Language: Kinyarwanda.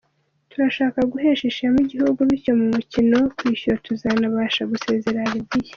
Turashaka guhesha ishema igihugu, bityo mu mukino wo kwishyura tuzanabashe gusezerera Libya.